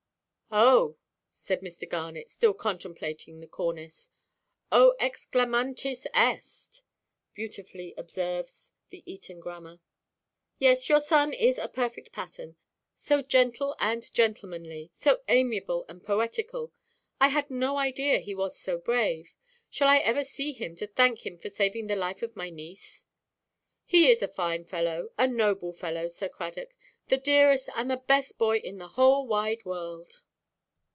"Oh," said Mr. Garnet, still contemplating the cornice. "Oh exclamantis est," beautifully observes the Eton grammar. "Yes, your son is a perfect pattern. So gentle and gentlemanly; so amiable and poetical. I had no idea he was so brave. Shall I ever see him to thank him for saving the life of my niece?" "He is a fine fellow, a noble fellow, Sir Cradock. The dearest and the best boy in the whole wide world."